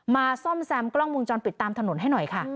มาซ่อมแซมกล้องมุมจรปิดตามถนนให้หน่อย